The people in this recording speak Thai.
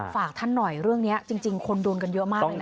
ฝากท่านหน่อยเรื่องนี้จริงคนโดนกันเยอะมากเลยนะ